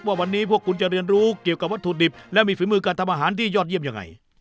ว่าวันนี้พวกคุณจะเรียนรู้เกี่ยวกับวัตถุดิบและมีฝีมือการทำอาหารที่ยอดเยี่ยมยังไง